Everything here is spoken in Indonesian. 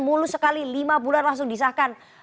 mulus sekali lima bulan langsung disahkan